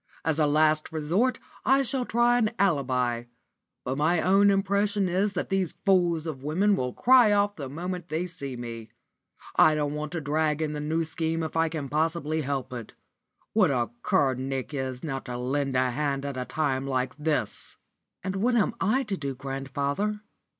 As a last resort I shall try an alibi. But my own impression is that these fools of women will cry off the moment they see me. I don't want to drag in the New Scheme if I can possibly help it. What a cur Nick is not to lend a hand at a time like this!" "And what am I to do, grandfather?"